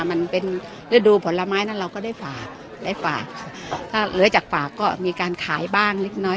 มันเป็นฤดูผลไม้นั้นเราก็ได้ฝากได้ฝากถ้าเหลือจากฝากก็มีการขายบ้างเล็กน้อย